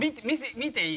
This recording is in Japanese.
見ていい？